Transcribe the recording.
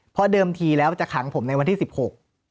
เพราะเดิมทีแล้วจะขังผมในวันที่สิบหก